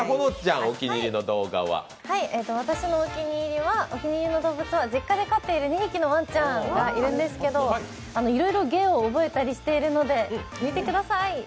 私のお気に入りの動物は、実家で飼っている２匹のワンちゃんがいるんですけど、いろいろ芸を覚えたりしているので見てください。